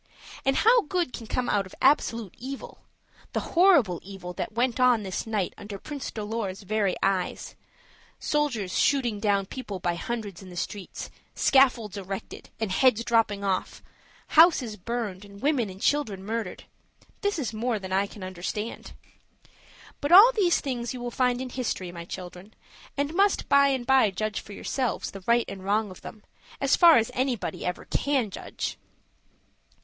And how good can come out of absolute evil the horrible evil that went on this night under Prince Dolor's very eyes soldiers shooting down people by hundreds in the streets, scaffolds erected, and heads dropping off houses burned, and women and children murdered this is more than I can understand. But all these things you will find in history, my children, and must by and by judge for yourselves the right and wrong of them, as far as anybody ever can judge.